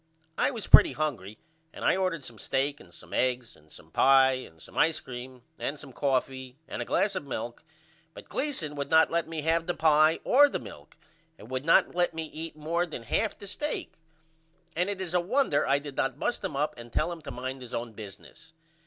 I was pretty hungry and I ordered some stake and some eggs and some pie and some ice cream and some coffee and a glass of milk but Gleason would not let me have the pie or the milk and would not let me eat more than 1/2 the stake. And it is a wonder I did not bust him and tell him to mind his own business.